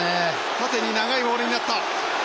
縦に長いモールになった。